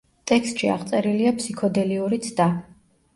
ტექსტში აღწერილია ფსიქოდელიური ცდა.